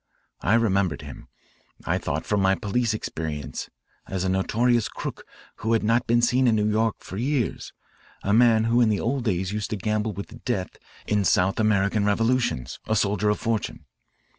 I remembered him, I thought, from my police experience, as a notorious crook who had not been seen in New York for years, a man who in the old days used to gamble with death in South American revolutions, a soldier of fortune.